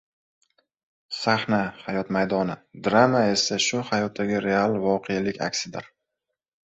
Sahna – hayot maydoni, drama esa shu hayotdagi real voqelik aksidir.